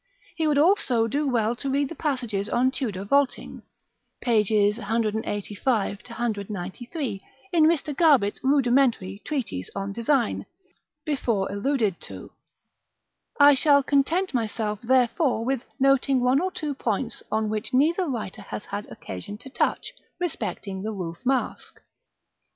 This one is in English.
He would also do well to read the passages on Tudor vaulting, pp. 185 193, in Mr. Garbett's rudimentary Treatise on Design, before alluded to. I shall content myself therefore with noting one or two points on which neither writer has had occasion to touch, respecting the Roof Mask.